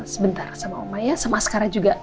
sebentar sama oma ya sama sekarang juga